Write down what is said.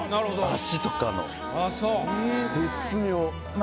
足とかの絶妙。